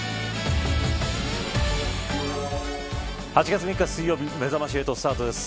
８月３日水曜日めざまし８スタートです。